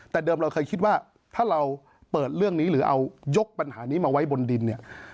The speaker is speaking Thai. แต่เดิมเราเคยคิดว่าถ้าเราเปิดเรื่องนี้หรือเอายกปัญหานี้มาไว้บนดินเนี่ย